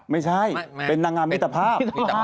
ไม่ใช่เป็นนางงามมิตรภาพ